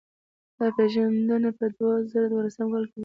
دا پېژندنه په دوه زره دولسم کال کې وشوه.